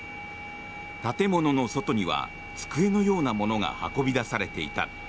建物の外には机のようなものが運び出されていた。